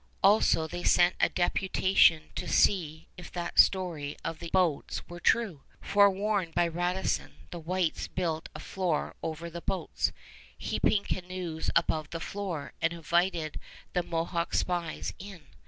Also they sent a deputation to see if that story of the boats were true. Forewarned by Radisson, the whites built a floor over the boats, heaped canoes above the floor, and invited the Mohawk spies in.